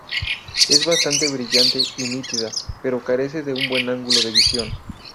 Es bastante brillante y nítida, pero carece de un buen ángulo de visión.